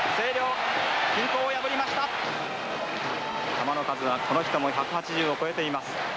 球の数はこの人も１８０を超えています。